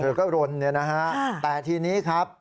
เธอก็รนแต่ทีนี้ครับ